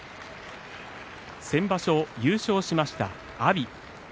先場所優勝しました阿炎。